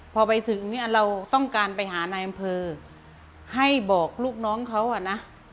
พอไปถึงเนี่ยเราต้องการไปหานายอำเภอให้บอกลูกน้องเขาอ่ะนะ